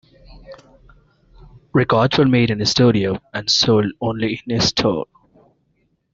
Records were made in his studio and sold only in his store.